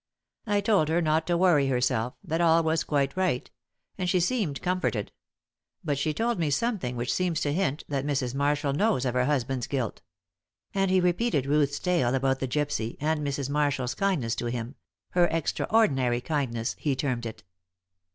"I told her not to worry herself that all was quite right; and she seemed comforted. But she told me something which seems to hint that Mrs. Marshall knows of her husband's guilt." And he, repeated Ruth's tale about the gypsy and Mrs. Marshall's kindness to him her extraordinary kindness, he termed it.